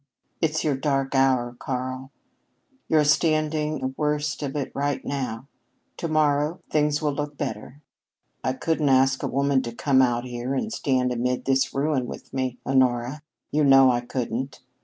"It's your dark hour, Karl. You're standing the worst of it right now. To morrow things will look better." "I couldn't ask a woman to come out here and stand amid this ruin with me, Honora. You know I couldn't.